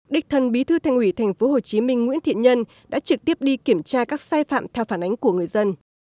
đích thân bí thư thành ủy tp hcm nguyễn thiện nhân đã trực tiếp đi kiểm tra các sai phạm theo phản ánh của người dân